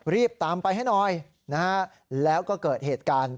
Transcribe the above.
รีบตามไปให้หน่อยนะฮะแล้วก็เกิดเหตุการณ์